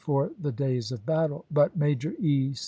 for the days of battle ;^ but Major E.